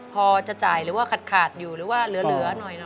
พอจะจ่ายหรือว่าขาดอยู่หรือว่าเหลือหน่อย